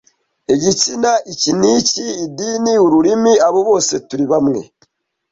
igitsina iki n’iki idini ururimi abo bose turi bamwe